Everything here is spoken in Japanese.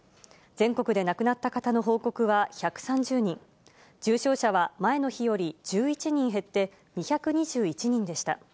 全国で亡くなった方の報告は１３０人、重症者は前の日より１１人減って２２１人でした。